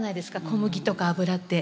小麦とか油って。